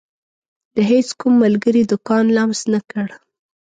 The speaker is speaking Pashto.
د هيڅ کوم ملګري دکان لمس نه کړ.